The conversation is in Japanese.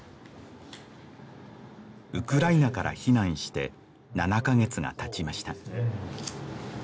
ウクライナから避難して７カ月がたちました